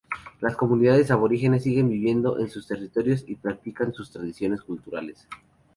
Las comunidades aborígenes siguen viviendo en sus territorios y practican sus tradiciones culturales.